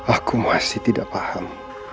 aku masih tidak paham